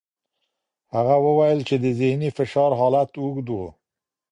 هغې وویل چې د ذهني فشار حالت اوږد و.